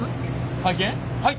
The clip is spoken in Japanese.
はい！